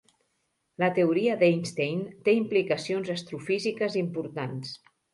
La teoria d'Einstein té implicacions astrofísiques importants.